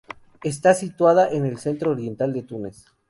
Está situada en el centro oriental de Túnez.